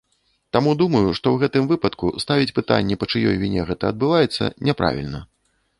Таму думаю, што ў гэтым выпадку ставіць пытанне, па чыёй віне гэта адбываецца, няправільна.